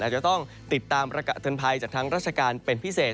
อาจจะต้องติดตามประกาศเตือนภัยจากทางราชการเป็นพิเศษ